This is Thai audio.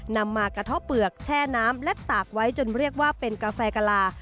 นำมากระท่อเปลือกแช่น้ำและตากไว้จนเรียกว่าเป็นกาแฟกะลา